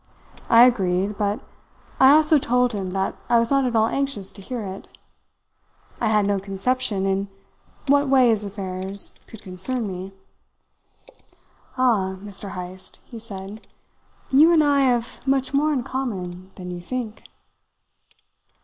I agreed; but I also told him that I was not at all anxious to hear it. I had no conception in what way his affairs could concern me. "'Ah, Mr. Heyst,' he said, 'you and I have much more in common than you think.'"